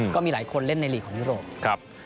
ก็มีหลายคนเล่นในลีกของยุโรป